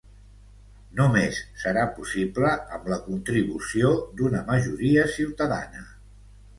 només serà possible amb la contribució d'una majoria ciutadana